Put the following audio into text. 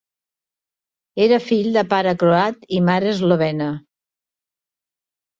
Era fill de pare croat i mare eslovena.